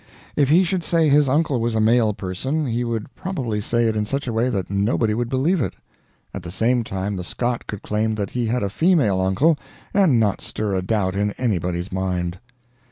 If he should say his uncle was a male person, he would probably say it in such a way that nobody would believe it; at the same time the Scot could claim that he had a female uncle and not stir a doubt in anybody's mind.